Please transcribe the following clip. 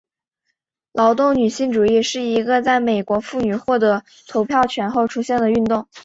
劳动女性主义是一个在美国妇女获得投票权后出现的运动。